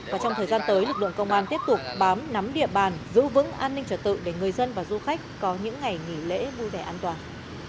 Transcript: và trong thời gian tới lực lượng công an tiếp tục bám nắm địa bàn giữ vững an ninh trở tự để người dân và du khách có những ngày nghỉ lễ vui vẻ an toàn